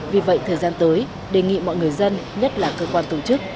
vì vậy thời gian tới đề nghị mọi người dân nhất là cơ quan tổ chức